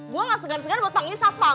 gue gak segan segar buat panggil satpam